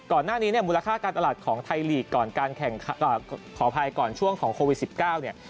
ก่อนหน้านี้เนี่ยมูลค่าการตลาดของไทยลีกก่อนการแข่งขออภัยก่อนช่วงของโควิด๑๙เนี่ย